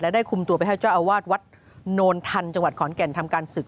ได้คุมตัวไปให้เจ้าอาวาสวัดโนนทันจังหวัดขอนแก่นทำการศึก